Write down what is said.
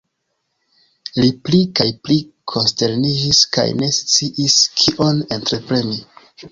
Li pli kaj pli konsterniĝis kaj ne sciis kion entrepreni.